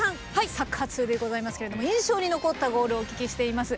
サッカー通でございますけれども印象に残ったゴールをお聞きしています。